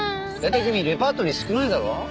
大体君レパートリー少ないだろ？